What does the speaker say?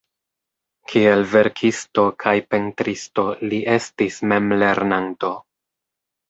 Kiel verkisto kaj pentristo li estis memlernanto.